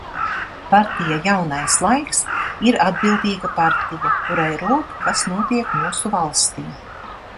"Partija "Jaunais laiks" ir atbildīga partija, kurai rūp, kas notiek mūsu valstī."